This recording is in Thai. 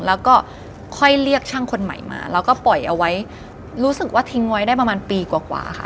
แล้วก็ค่อยเรียกช่างคนใหม่มาแล้วก็ปล่อยเอาไว้รู้สึกว่าทิ้งไว้ได้ประมาณปีกว่ากว่าค่ะ